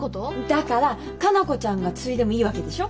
だから佳奈子ちゃんが継いでもいいわけでしょ？